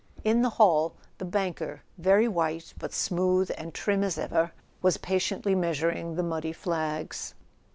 In the hall the banker, very white, but smooth and trim as ever, was patiently measuring the muddy flags.